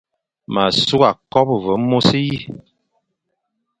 Ma sughé kobe ve amô di,